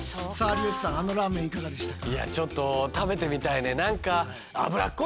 有吉さんあのラーメンいかがでしたか？